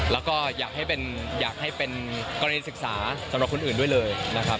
แล้วก็อยากให้เป็นกรณีศึกษาสำหรับคนอื่นด้วยเลยนะครับ